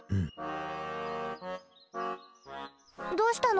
どうしたの？